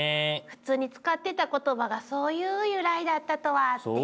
普通に使ってた言葉がそういう由来だったとはって。